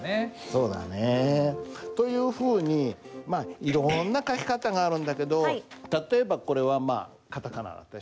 そうだねえ。というふうにまあいろんな書き方があるんだけど例えばこれはまあカタカナでしょう。